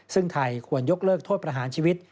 ซึ่งไทยควรยกเลิกโทษประหารชีวิต